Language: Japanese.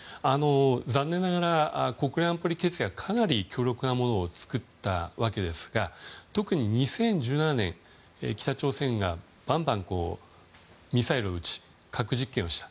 残念ながら国連安保理決議はかなり強力なものを作ったわけですが特に２０１７年、北朝鮮がばんばんミサイルを撃ち核実験をした。